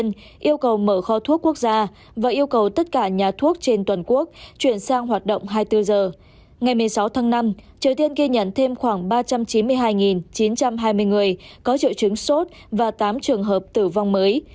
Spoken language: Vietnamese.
ngày một mươi sáu tháng năm triều tiên ghi nhận thêm khoảng ba trăm chín mươi hai chín trăm hai mươi người có triệu chứng sốt và tám trường hợp tử vong mới